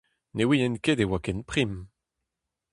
Ne ouien ket e oa ken prim.